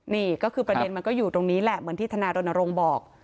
นี่ก็คือประเด็นมันก็อยู่ตรงนี้แหละเหมือนที่ทนายรณรงค์บอก